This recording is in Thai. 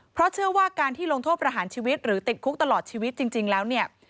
เพราะเชื่อว่าการที่ลงโทษประหารชีวิตหรือติดคุกตลอดชีวิตจริงแล้วเนี่ย